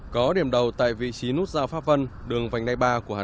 có điểm đầu tại vị trí nút giao pháp vân đường vành nay ba